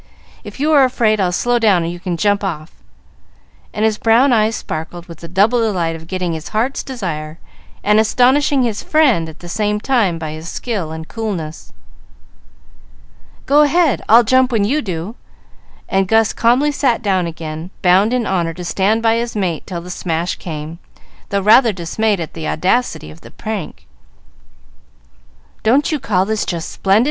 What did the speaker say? If you are afraid, I'll slow down and you can jump off," and his brown eyes sparkled with the double delight of getting his heart's desire and astonishing his friend at the same time by his skill and coolness. "Go ahead. I'll jump when you do;" and Gus calmly sat down again, bound in honor to stand by his mate till the smash came, though rather dismayed at the audacity of the prank. "Don't you call this just splendid?"